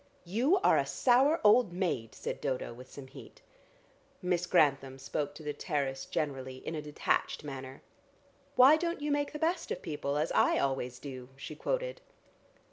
"You are a sour old maid," said Dodo with some heat. Miss Grantham spoke to the terrace generally in a detached manner. "'Why don't you make the best of people as I always do?'" she quoted.